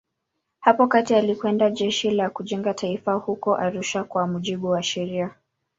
Hapo kati alikwenda Jeshi la Kujenga Taifa huko Arusha kwa mujibu wa sheria.